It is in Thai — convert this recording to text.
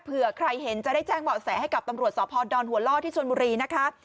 เผื่อใครเห็นจะได้แจ้งเบาะแสให้กับตำรวจสพดอนหัวล่อที่ชนบุรีนะคะ